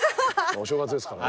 お正月ですからね。